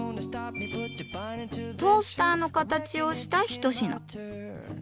トースターの形をした一品。